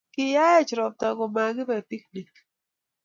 kiyaech ropta komakibe piknik